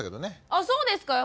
あそうですか。